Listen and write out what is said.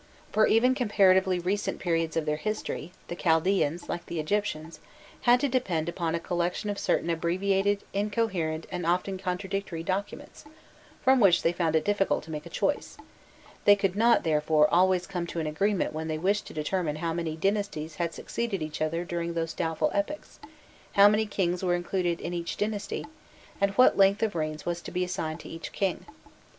For even comparatively recent periods of their history, the Chaldaeans, like the Egyptians, had to depend upon a collection of certain abbreviated, incoherent, and often contradictory documents, from which they found it difficult to make a choice: they could not, therefore, always come to an agreement when they wished to determine how many dynasties had succeeded each other during these doubtful epochs, how many kings were included in each dynasty, and what length of reign was to be assigned to each king.